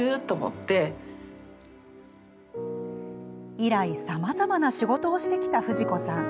以来、さまざまな仕事をしてきたフジ子さん。